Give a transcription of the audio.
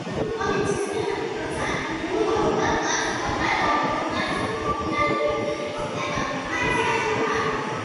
ზოგიერთი კომიქსის მიხედვით, როცა ადამიანი ობობა კლავს ნორმან ოსბორნს, გობლინი ხდება ნორმანის ვაჟი ჰარი.